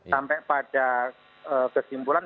sampai pada kesimpulan